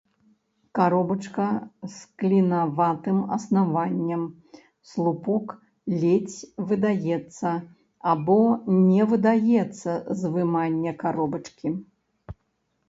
Каробачка з клінаватым аснаваннем, слупок ледзь выдаецца або не выдаецца з вымання каробачкі.